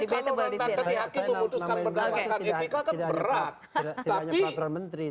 kalau memutuskan berdasarkan etika kan berat